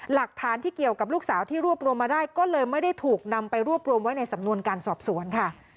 หลักฐานที่เกี่ยวกับลูกสาวที่รวบรวมมาได้ก็เลยไม่ได้ถูกนำไปรวบรวมไว้ในสำนวนการสอบสวนค่ะ